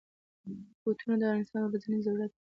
بوټونه د انسان ورځنی ضرورت دی.